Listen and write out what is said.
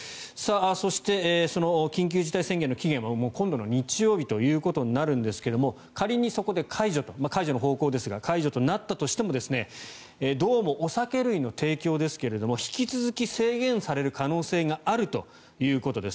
そしてその緊急事態宣言の期限は今度の日曜日となるんですが仮にそこで解除の方向ですが解除となったとしてもどうも、お酒類の提供ですが引き続き制限される可能性があるということです。